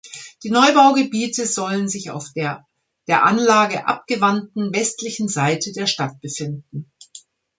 Die Neubaugebiete sollen sich auf der der Anlage abgewandten westlichen Seite der Stadt befinden.